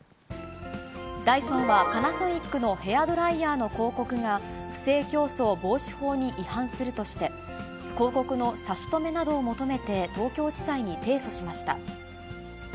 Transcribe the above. ダイソンはパナソニックのヘアドライヤーの広告が、不正競争防止法に違反するとして、広告の差し止めなどを求めて東京地裁に提訴しました。